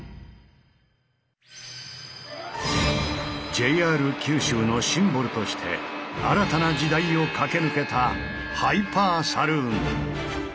ＪＲ九州のシンボルとして新たな時代を駆け抜けた「ハイパーサルーン」。